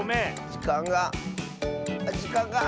じかんがじかんがあ！